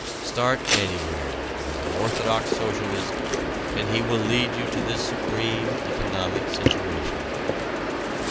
Start anywhere, with an orthodox socialist and he will lead you to this supreme economic situation.